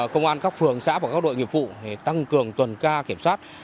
công an các phường xã và các đội nghiệp vụ tăng cường tuần tra kiểm soát